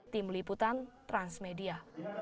tim liputan transmedia